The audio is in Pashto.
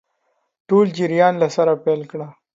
ټول جریان له سره پیل کړي.